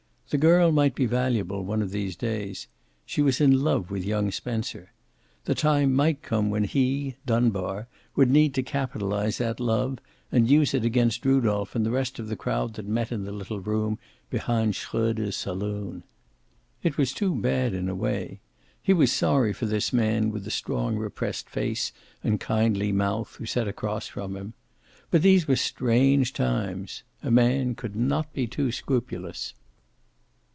The girl might be valuable one of these days. She was in love with young Spencer. The time might come when he, Dunbar, would need to capitalize that love and use it against Rudolph and the rest of the crowd that met in the little room behind Shroeder's saloon. It was too bad, in a way. He was sorry for this man with the strong, repressed face and kindly mouth, who sat across from him. But these were strange times. A man could not be too scrupulous.